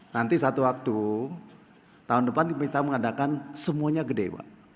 nanti satu waktu tahun depan kita mengadakan semuanya gede pak